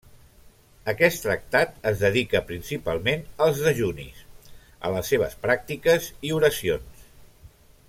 Aquest tractat es dedica principalment als dejunis, a les seves pràctiques i oracions.